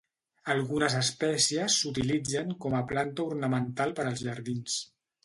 Algunes espècies s'utilitzen com a planta ornamental per als jardins.